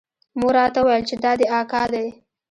مور راته وويل چې دا دې اکا دى.